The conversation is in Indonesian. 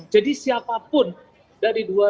jadi siapapun dari dua ratus tujuh puluh juta